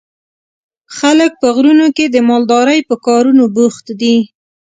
خلک په غرونو کې د مالدارۍ په کارونو بوخت دي.